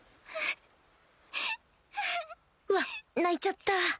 わっ泣いちゃった